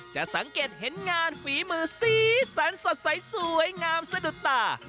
จะสังเกตเห็นงานฝีมือสีสันสดใสสวยงามสะดุดตา